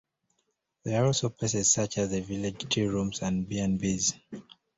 There are also places such as the Village Tea rooms and B and Bs.